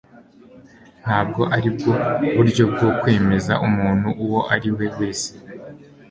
Ntabwo aribwo buryo bwo kwemeza umuntu uwo ari we wese